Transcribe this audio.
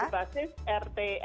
pengasuhan ruu basis